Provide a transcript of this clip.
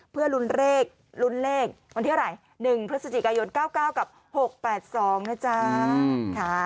เพื่อลุนเลขวันที่อะไร๑พฤศจิกายน๙๙กับ๖๘๒นะจ๊ะ